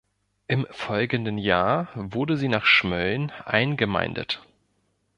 Im folgenden Jahr wurde sie nach Schmölln eingemeindet.